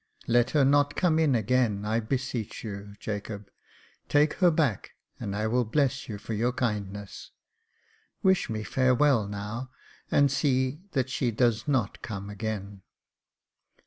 " Let her not come in again, I beseech you, Jacob ; take her back, and I will bless you for your kind ness. Wish me farewell now, and see that she does not come again."